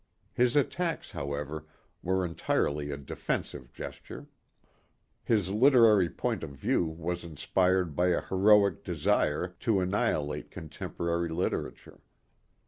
His attacks, however, were entirely a defensive gesture. His literary point of view was inspired by a heroic desire to annihilate contemporary literature.